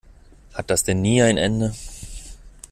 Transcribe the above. Hat das denn nie ein Ende?